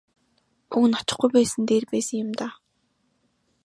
Уг нь очихгүй байсан нь дээр байсан юм даа.